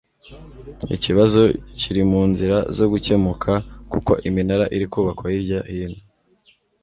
ikibazo kiri mu nzira zo gukemuka kuko iminara iri kubakwa hirya hino